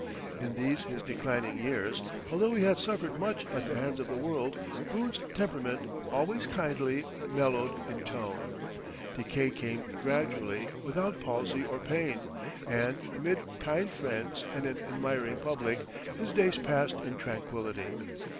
In these his declining years, although he had suffered much at the hands of the world, Boone's temperament, always kindly, mellowed in tone. Decay came gradually, without palsy or pain; and, amid kind friends and an admiring public, his days passed in tranquillity.